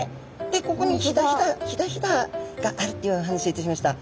でここにヒダヒダがあるっていう話をいたしました。